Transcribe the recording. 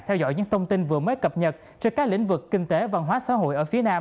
theo dõi những thông tin về văn hóa xã hội đáng chú ý